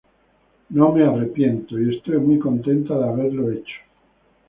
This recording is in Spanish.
No me arrepiento y estoy muy contenta de haberlo hecho".